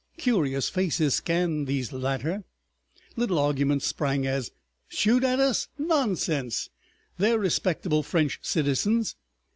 Curious faces scanned these latter. Little arguments sprang as: "Shoot at us! Nonsense! They're respectable French citizens."